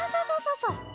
そうそう。